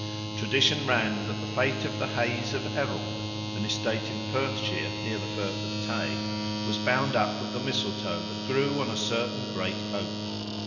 Tradition ran that the fate of the Hays of Errol, an estate in Perthshire, near the Firth of Tay, was bound up with the mistletoe that grew on a certain great oak.